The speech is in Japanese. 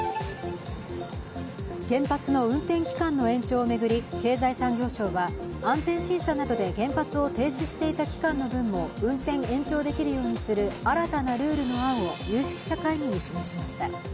原発の運転期間の延長を巡り、経済産業省は安全審査などで原発を停止していた期間の分も運転延長できるようにする新たなルールの案を有識者会議に示しました。